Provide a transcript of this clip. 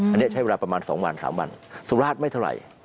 อันนี้ใช้เวลาประมาณ๒วัน๓วันสุราชไม่เท่าไหร่